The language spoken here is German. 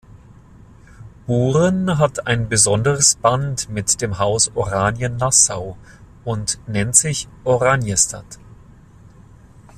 Buren hat ein besonderes Band mit dem Haus Oranien-Nassau und nennt sich Oranjestad.